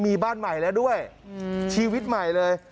มีบ้านใหม่แล้วด้วยชีวิตใหม่เลย